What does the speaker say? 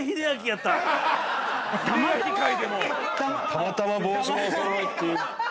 たまたま帽子もお揃いっていう。